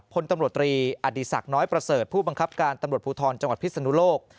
พลตำรวจตรีอดีศักดิ์น้อยประเสริฐผู้บังคับการตำรวจภูทรจังหวัดพิศนุโลก